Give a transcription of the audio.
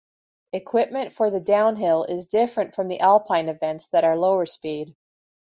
Equipment for the Downhill is different from the alpine events that are lower-speed.